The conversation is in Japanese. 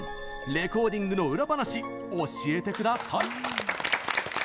レコーディングの裏話教えてください！